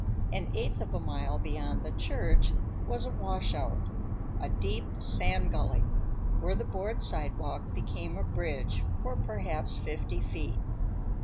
An eighth of a mile beyond the church was a washout, a deep sand gully, where the board sidewalk became a bridge for perhaps fifty feet.